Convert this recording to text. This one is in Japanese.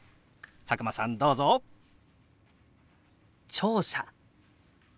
聴者。